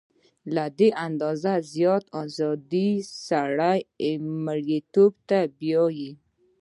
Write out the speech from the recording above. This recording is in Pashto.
له اندازې څخه زیاته ازادي سړی مرییتوب ته بیايي.